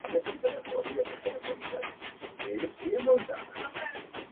Son incubados durante dos semanas y los pollos tardan otras dos semanas en desarrollarse.